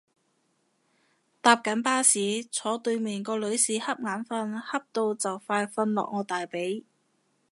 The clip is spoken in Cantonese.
搭緊巴士，坐對面個女士恰眼瞓恰到就快瞓落我大髀